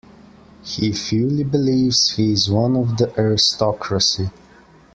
He fully believes he is one of the aristocracy!